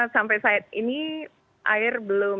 sampai saat ini air belum